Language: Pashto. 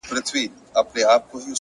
ستا د څوڼو ځنگلونه زمـا بــدن خـوري؛